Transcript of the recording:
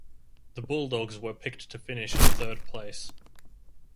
The Bulldogs were picked to finish in third place.